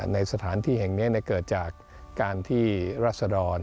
ในสถานที่แห่งนี้เกิดจากการที่รัศดร